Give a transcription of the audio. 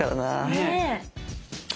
ねえ。